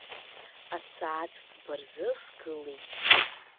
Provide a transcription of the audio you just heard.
Асааҭ фба рзы сгылеит.